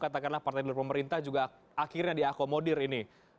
katakanlah partai dari pemerintah juga akhirnya diakomodir ini